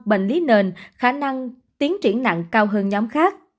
bệnh lý nền khả năng tiến triển nặng cao hơn nhóm khác